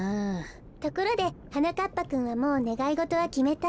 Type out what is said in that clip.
ところではなかっぱくんはもうねがいごとはきめた？